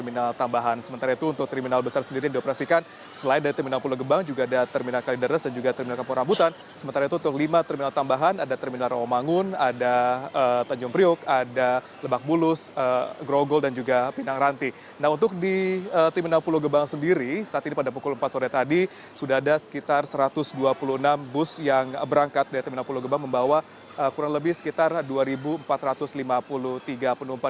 nah untuk di terminal pulau gebang sendiri saat ini pada pukul empat sore tadi sudah ada sekitar satu ratus dua puluh enam bus yang berangkat dari terminal pulau gebang membawa kurang lebih sekitar dua empat ratus lima puluh tiga penumpang